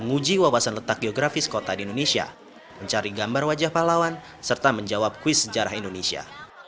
menguji wabahan letak geografis kota di indonesia mencari gambar wajah pahlawan serta menjawab kuis sejarah indonesia